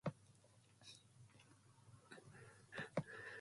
There are two genera, each containing two species.